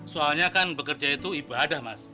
soalnya kan bekerja itu ibadah mas